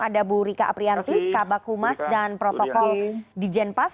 ada bu rika aprianti kabak humas dan protokol di jenpas